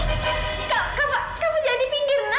kava kava kava jangan dipinggir na